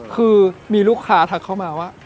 คือมีลูกค้าทักเข้ามาว่า